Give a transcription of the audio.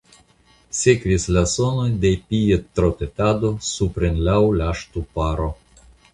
Sekvis la sonoj de piedtrotetado supren laŭ la ŝtuparo.